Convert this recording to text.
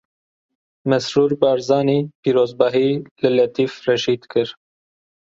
Mesrûr Barzanî pîrozbahî li Letîf Reşîd kir.